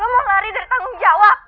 kamu mau lari dari tanggung jawab